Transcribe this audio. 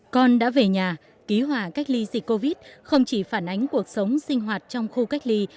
con đã về nhà ký họa cách ly dịch covid không chỉ phản ánh cuộc sống sinh hoạt trong khu cách ly